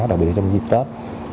đặc biệt trong dịp tết